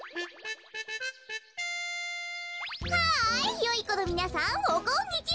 ハイよいこのみなさんおこんにちは。